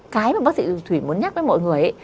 cái mà bác sĩ dù thủy muốn nhắc với mọi người